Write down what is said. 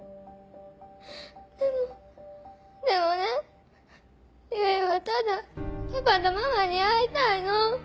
でもでもね唯はただパパとママに会いたいの。